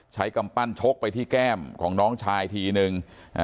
กำปั้นชกไปที่แก้มของน้องชายทีนึง